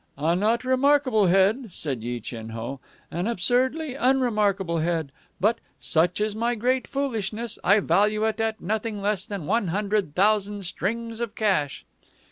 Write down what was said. "A not remarkable head," said Yi Chin Ho. "An absurdly unremarkable head! but, such is my great foolishness, I value it at nothing less than one hundred thousand strings of cash."